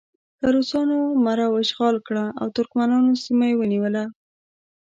که روسانو مرو اشغال کړه او ترکمنانو سیمه یې ونیوله.